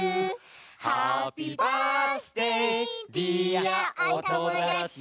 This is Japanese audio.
「ハッピーバースデーディアおともだち」